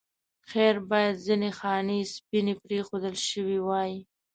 خیر باید ځینې خانې سپینې پرېښودل شوې وای.